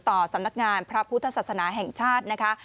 สำนักงานพระพุทธศาสนาแห่งชาตินะคะ